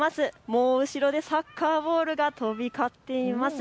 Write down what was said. もう後ろでサッカーボールが飛び交っています。